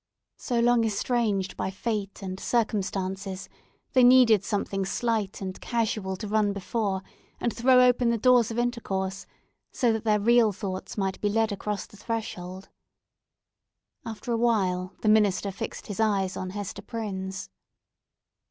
So long estranged by fate and circumstances, they needed something slight and casual to run before and throw open the doors of intercourse, so that their real thoughts might be led across the threshold. After awhile, the minister fixed his eyes on Hester Prynne's.